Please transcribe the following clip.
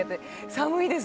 寒いです！